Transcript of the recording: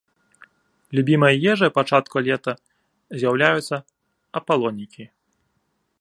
Любімай ежай у пачатку лета з'яўляюцца апалонікі.